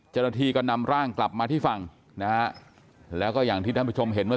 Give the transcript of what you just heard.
เจ้าหน้าที่ก็นำร่างกลับมาที่ฝั่งนะฮะแล้วก็อย่างที่ท่านผู้ชมเห็นเมื่อ